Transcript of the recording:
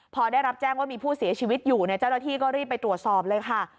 พอได้รับแจ้งว่ามีผู้เสียชีวิตอยู่เนี่ยเจ้าหน้าที่ก็รีบไปตรวจสอบเลยค่ะ